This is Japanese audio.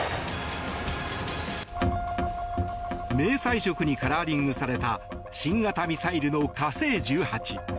迷彩色にカラーリングされた新型ミサイルの「火星１８」。